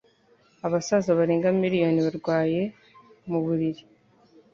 Abasaza barenga miliyoni barwaye muburiri.